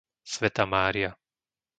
Svätá Mária